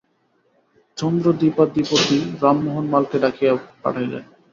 চন্দ্রদ্বীপাধিপতি, রামমোহন মালকে ডাকিয়া পাঠাইলেন।